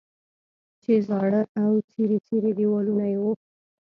چې زاړه او څیري څیري دیوالونه یې وو.